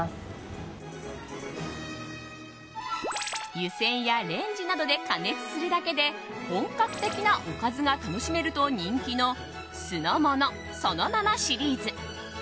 湯煎やレンジなどで加熱するだけで本格的なおかずが楽しめると人気の「素のもの、そのまま」シリーズ。